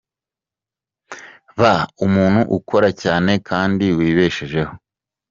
Ba umuntu ukora cyane kandi wibeshejeho.